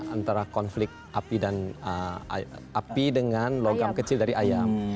antara konflik api dan api dengan logam kecil dari ayam